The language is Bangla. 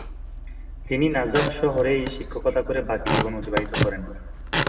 তিনি নাজাফ শহরেই শিক্ষকতা করে বাকি জীবন অতিবাহিত করেন।